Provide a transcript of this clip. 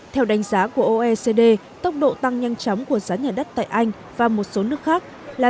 theo đánh giá của oecd tốc độ tăng nhanh chóng của giá nhà đất tại anh và một số nước khác là